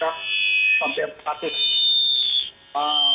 waktu ini kita sampai empat hari